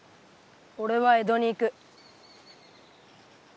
俺は江戸に行く。